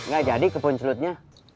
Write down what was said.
gak jadi ke punculutnya